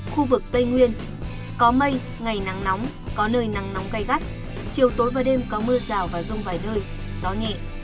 khu vực tây nguyên có mây ngày nắng nóng có nơi nắng nóng gai gắt chiều tối và đêm có mưa rào và rông vài nơi gió nhẹ